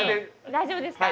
大丈夫ですか？